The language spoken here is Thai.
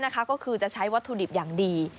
ก็คือจะใช้วัตถุดิบอย่างดี